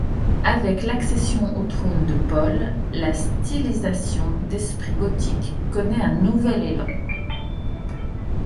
Avec l'accession au trône de Paul, la stylisation d'esprit gothique connaît un nouvel élan.